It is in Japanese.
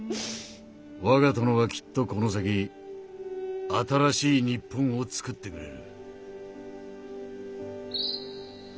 「我が殿はきっとこの先新しい日本を作ってくれる」。